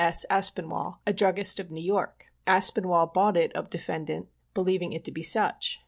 S. Aspinwall, a druggist of New York. Aspinwall bought it of defendant believing it to be such.